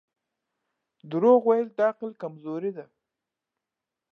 • دروغ ویل د عقل کمزوري ده.